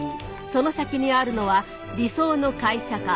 その先にあるのは理想の会社か？